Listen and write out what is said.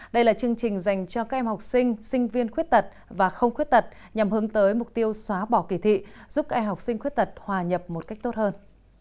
đây là chương trình dành cho các em học sinh sinh viên khuyết tật và không khuyết tật nhằm hướng tới mục tiêu xóa bỏ kỳ thị giúp các em học sinh khuyết tật hòa nhập một cách tốt hơn